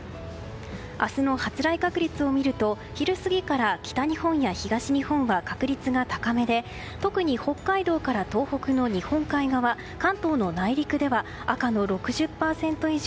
明日の発雷確率を見ると昼過ぎから北日本や東日本は確率が高めで特に北海道から東北の日本海側関東の内陸では赤の６０％以上。